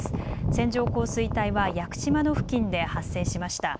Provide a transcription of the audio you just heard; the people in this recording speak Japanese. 線状降水帯は屋久島の付近で発生しました。